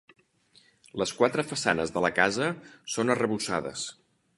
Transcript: Les quatre façanes de la casa són arrebossades.